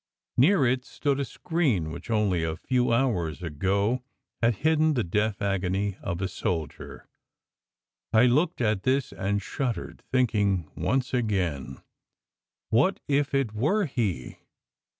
Near it stood a screen which only a few hours ago had hidden the death agony of a soldier. I looked at this and shuddered, thinking once again, " What if it were he!